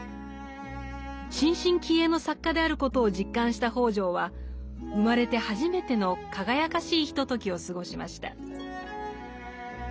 新進気鋭の作家であることを実感した北條は生まれて初めての輝かしいひとときを過ごしました。